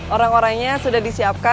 orang orangnya sudah disiapkan